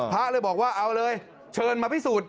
พระเลยบอกว่าเอาเลยเชิญมาพิสูจน